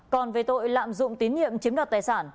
còn về tội lạm dụng tín nhiệm chiếm đoạt tài sản